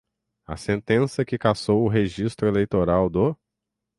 a sentença que cassou o registro eleitoral do